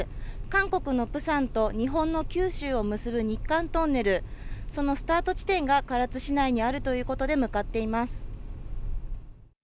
韓国のプサンと日本の九州を結ぶ日韓トンネル、そのスタート地点が、唐津市内にあるということで、向かっています。